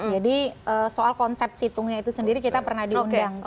jadi soal konsep situngnya itu sendiri kita pernah diundang gitu